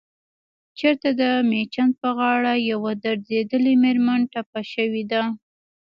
چرته دمیچن په غاړه يوه دردېدلې مېرمن ټپه شوې ده